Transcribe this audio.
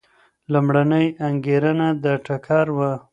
لومړنۍ انګېرنه د ټکر وه.